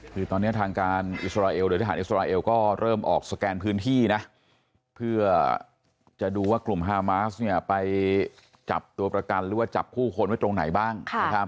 คือตอนนี้ทางการอิสราเอลก็เริ่มออกสแกนพื้นที่นะเพื่อจะดูว่ากลุ่มฮามาสไปจับตัวประกันหรือว่าจับคู่คนไว้ตรงไหนบ้าง